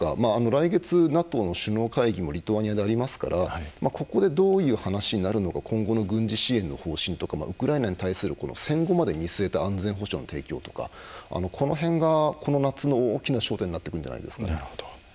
来月、ＮＡＴＯの首脳会議もリトアニアでありますからここで、どういう話になるのか今後の軍事支援の方針とか、ウクライナに対する戦後まで見据えた安全保障の提供とかこの辺が、この夏の大きな焦点になってくるんじゃないですかね。